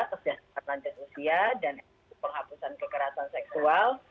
kesehatan lanjut usia dan penghapusan kekerasan seksual